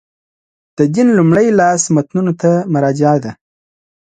د دین لومړي لاس متنونو ته مراجعه ده.